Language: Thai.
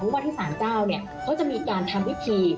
วัฒนศาสตร์เจ้าเนี่ยเขาจะมีการทำวิธี